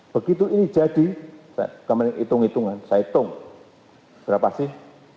begitu ini jadi saya kemarin hitung hitungan saya hitung berapa sih